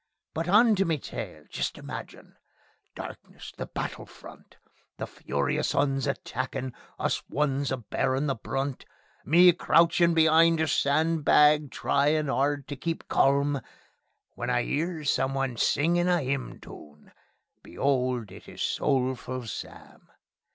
But on to me tale. Just imagine ... Darkness! The battle front! The furious 'Uns attackin'! Us ones a bearin' the brunt! Me crouchin' be'ind a sandbag, tryin' 'ard to keep calm, When I 'ears someone singin' a 'ymn toon; be'old! it is Soulful Sam.